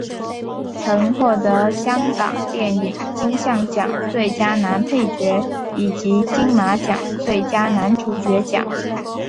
曾获得香港电影金像奖最佳男配角以及金马奖最佳男主角奖。